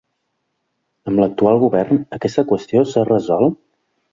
Amb l’actual govern, aquesta qüestió s’ha resolt?